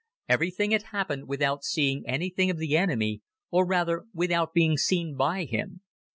Everything had happened without seeing anything of the enemy or rather without being seen by him.